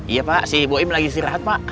iya pak si boim lagi istirahat pak